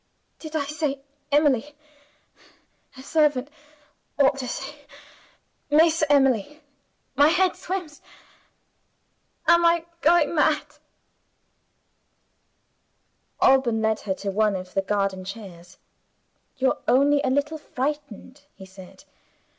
Did I say 'Emily'? A servant ought to say 'Miss Emily.' My head swims. Am I going mad?" Alban led her to one of the garden chairs. "You're only a little frightened," he said.